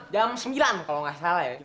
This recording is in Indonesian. jam sembilan kalau nggak salah ya